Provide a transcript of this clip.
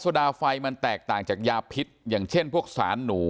ดาไฟมันแตกต่างจากยาพิษอย่างเช่นพวกสารหนู